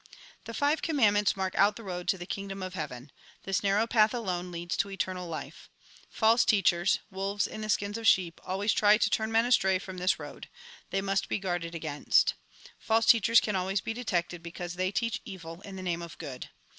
" The five commandments mark out the road to the Kingdom of Heaven. This narrow path alone leads to eternal life. False teachers — wolves in the skins of sheep — always try to turn men astray from this road ; they must be guarded against. False teachers can always be detected, because they teach evil in the name of good.